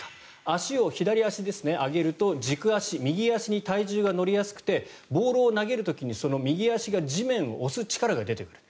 足、左足を上げると軸足、右足に体重が乗りやすくてボールを投げる時に右足が地面を押す力が出てくる。